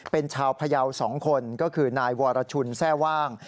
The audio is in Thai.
เป็นชาวพยาว๒คนก็คือนายวรชุนแทร่ว่าง